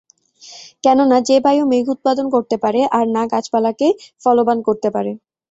কেননা যে বায়ু মেঘ উৎপাদন করতে পারে, আর না গাছপালাকে ফলবান করতে পারে।